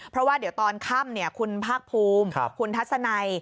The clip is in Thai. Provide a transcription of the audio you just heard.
เพราะว่าเดี๋ยวตอนค่ำคุณภาคภูมิคุณทัศนัย